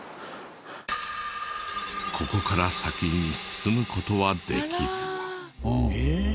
ここから先に進む事はできず。